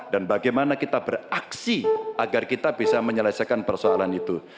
dan bagaimana kita beraksi agar kita bisa menyelesaikan persoalan itu